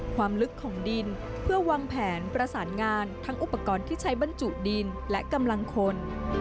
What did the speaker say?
ความลึกของดินเพื่อวางแผนประสานงานทั้งอุปกรณ์ที่ใช้บรรจุดินและกำลังคน